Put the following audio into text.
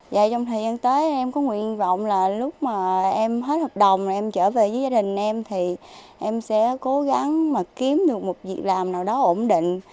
và trong thời gian tới em có nguyện vọng là lúc mà em hết hợp đồng em trở về với gia đình em thì em sẽ cố gắng mà kiếm được một việc làm nào đó ổn định